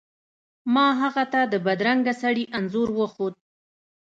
ما هغه ته د بدرنګه سړي انځور وښود.